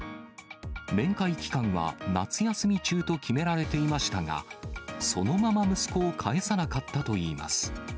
面会期間は夏休み中と決められていましたが、そのまま息子をかえさなかったといいます。